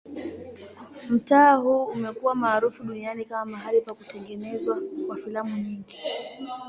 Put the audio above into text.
Mtaa huu umekuwa maarufu duniani kama mahali pa kutengenezwa kwa filamu nyingi.